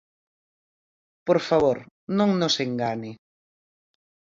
Por favor, non nos engane.